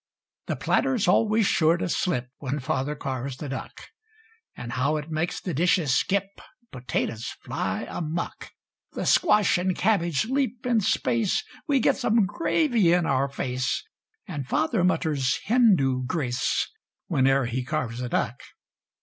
The platter's always sure to slip When Father carves a duck. And how it makes the dishes skip! Potatoes fly amuck! The squash and cabbage leap in space We get some gravy in our face And Father mutters Hindu grace Whene'er he carves a duck.